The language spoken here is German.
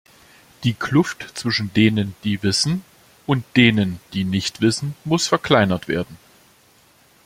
Die Kluft zwischen denen, die wissen, und denen, die nicht wissen, muss verkleinert werden.